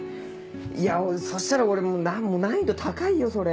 いやそしたら俺難易度高いよそれ。